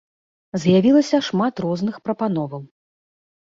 З'явілася шмат розных прапановаў.